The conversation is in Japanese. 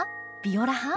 ビオラ派？